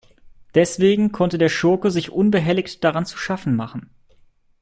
Deswegen konnte der Schurke sich unbehelligt daran zu schaffen machen.